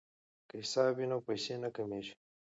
که حساب وي نو پیسې نه کمیږي.